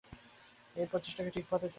এই প্রচেষ্টাটি ঠিক পথে চলিয়াছে।